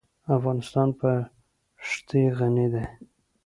افغانستان په ښتې غني دی.